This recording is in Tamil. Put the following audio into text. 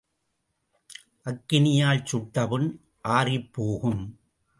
அக்கினியால் சுட்ட புண் ஆறிப் போகும்.